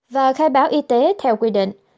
và khai báo y tế theo quy định